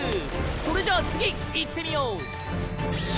それじゃあ次いってみよう。